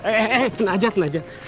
eh eh eh tenaga tenaga